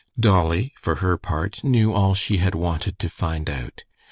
Dolly for her part knew all she had wanted to find out.